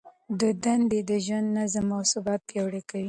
دندې د ژوند نظم او ثبات پیاوړی کوي.